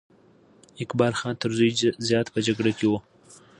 اقبال خان تر زوی زیات په جګړه کې وو.